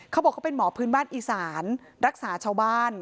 เขาบอกเขาเป็นหมอพื้นบ้านอีสานรักษาชาวบ้าน